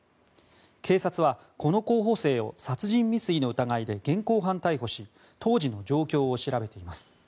警察はこの候補生を殺人未遂の疑いで現行犯逮捕し当時の状況を調べています。